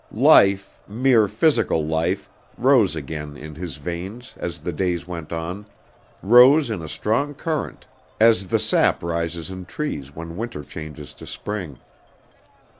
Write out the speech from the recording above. Life mere physical life rose again in his veins as the days went on, rose in a strong current, as the sap rises in trees when winter changes to spring.